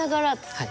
はい。